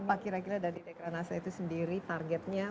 apa kira kira dari dekranasa itu sendiri targetnya